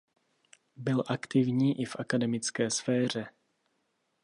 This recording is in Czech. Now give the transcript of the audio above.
Byl aktivní i v akademické sféře.